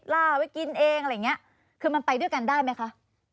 ล่าไว้กินเองอะไรอย่างเงี้ยคือมันไปด้วยกันได้ไหมคะ